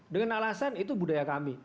dengan alasan itu budaya kami